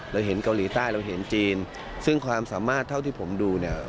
เราเห็นเกาหลีใต้เราเห็นจีนซึ่งความสามารถเท่าที่ผมดูเนี่ย